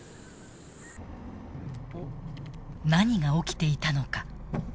何が起きていたのか。